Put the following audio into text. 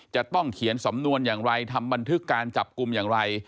จะต้องเขียนสำนวนอย่างไรทำบันทึกการจับกลุ่มอย่างไร